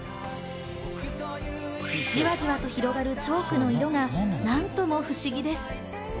じわじわと広がるチョークの色が何とも不思議です。